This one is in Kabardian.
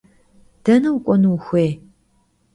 Dene vuk'uenu vuxuêy?